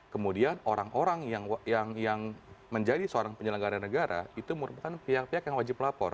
kemudian orang orang yang menjadi seorang penyelenggara negara itu merupakan pihak pihak yang wajib lapor